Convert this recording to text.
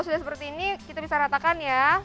sudah seperti ini kita bisa ratakan ya